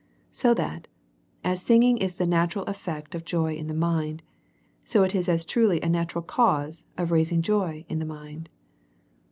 So that as sing ing is the natural effect of joy in the mind, so it is as truly a natural cause of raising joy in the mind.